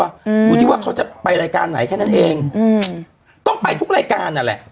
อืมอยู่ที่ว่าเขาจะไปรายการไหนแค่นั้นเองอืมต้องไปทุกรายการนั่นแหละ